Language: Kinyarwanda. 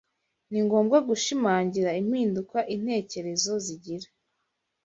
Ni ngombwa gushimangira impinduka intekerezo zigira